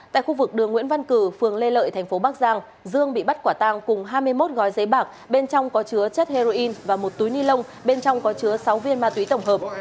tại khu vực đường nguyễn văn cử phường lê lợi thành phố bắc giang dương bị bắt quả tang cùng hai mươi một gói giấy bạc bên trong có chứa chất heroin và một túi ni lông bên trong có chứa sáu viên ma túy tổng hợp